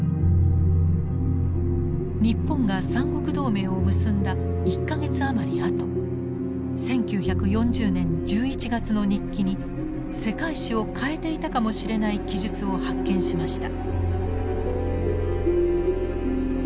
日本が三国同盟を結んだ１か月余りあと１９４０年１１月の日記に世界史を変えていたかもしれない記述を発見しました。